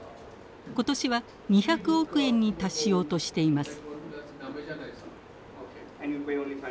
今年は２００億円に達しようとしています。